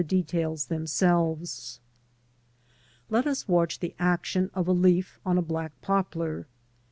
details themserves. "'""' Let us watch the action of a leaf on a black poplar.